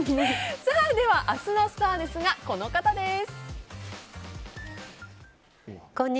では、明日のスターですがこの方です。